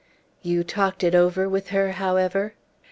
"You talked it over with her, however?"